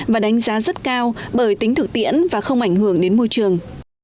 và đánh giá rất cao bởi tính thực tiễn và không ảnh hưởng đến môi trường